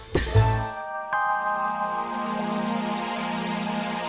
mas romionya kemana bang